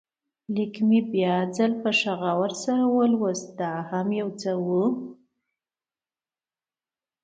لیک مې بیا ځل ښه په غور سره ولوست، دا هم یو څه و.